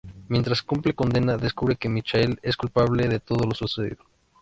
Mientras cumple condena, descubre que Michael es culpable de todo lo sucedido.